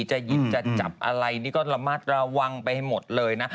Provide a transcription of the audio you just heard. จะหยิบจะจับอะไรก็ร้ะมัดระวังี่หมดเลยนะ